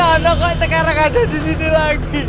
tapi kan gimana kok sekarang ada disini lagi